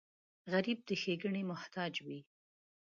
غریب د ښېګڼې محتاج وي